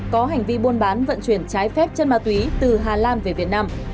có hành vi buôn bán vận chuyển trái phép chân ma túy từ hà lan về việt nam